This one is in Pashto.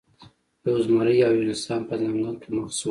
یو زمری او یو انسان په ځنګل کې مخ شول.